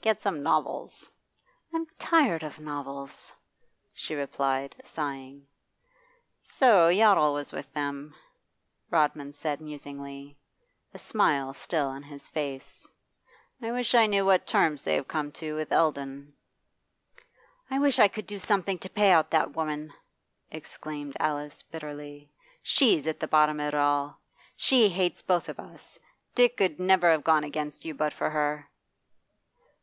'Get some novels.' 'I'm tired of novels,' she replied, sighing. 'So Yottle was with them?' Rodman said musingly, a smile still on his face. 'I wish I knew what terms they've come to with Eldon.' 'I wish I could do something to pay out that woman!' exclaimed Alice bitterly. 'She's at the bottom of it all. She hates both of us. Dick 'ud never have gone against you but for her.